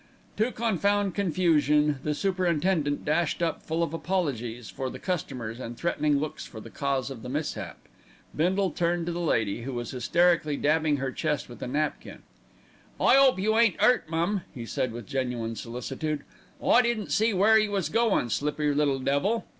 To confound confusion the superintendent dashed up full of apologies for the customers and threatening looks for the cause of the mishap. Bindle turned to the lady, who was hysterically dabbing her chest with a napkin. "I 'ope you ain't 'urt, mum," he said with genuine solicitude; "I didn't see where 'e was goin', slippery little devil!"